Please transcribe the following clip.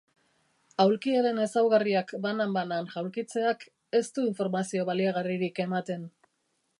Aulkiaren ezaugarriak banan-banan jaulkitzeak ez du informazio baliagarririk ematen.